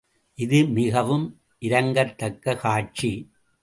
இது மிகவும் இரங்கத்தக்க காட்சி!